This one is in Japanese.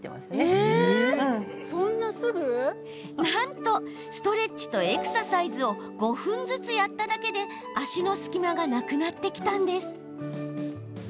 なんと、ストレッチとエクササイズを５分ずつやっただけで足の隙間がなくなってきたんです。